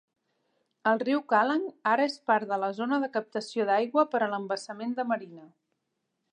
El riu Kallang ara és part de la zona de captació d'aigua per a l'embassament de Marina.